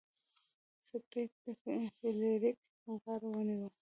سکلیټ د فلیریک غاړه ونیوه.